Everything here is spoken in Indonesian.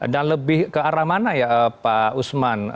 dan lebih ke arah mana ya pak usman